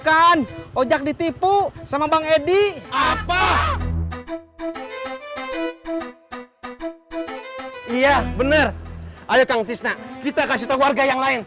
ayo kang cisna kita kasih tau warga yang lain